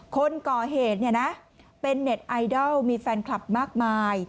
คนก่อเหตุเนี่ยนะเป็นเน็ตไอดอลมีแฟนคลับมากมาย